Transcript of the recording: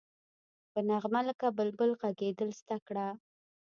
په نغمه لکه بلبل غږېدل زده کړه.